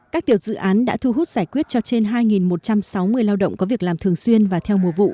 các tiểu dự án đã thu hút giải quyết cho trên hai một trăm sáu mươi lao động có việc làm thường xuyên và theo mùa vụ